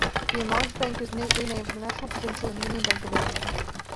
The enlarged bank was renamed the National Provincial and Union Bank of England.